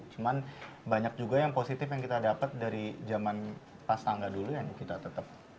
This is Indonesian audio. cuman banyak juga yang positif yang kita dapat dari zaman pas tangga dulu yang kita tetap